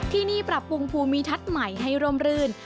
ที่นี่ปรับปรุงภูมิทัศน์ใหม่ให้ร่มรื่น